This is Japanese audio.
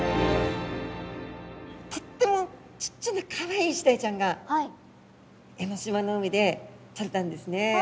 とってもちっちゃなかわいいイシダイちゃんが江の島の海でとれたんですね。